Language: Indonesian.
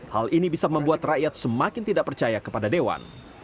hal ini bisa membuat rakyat semakin tidak percaya kepada dewan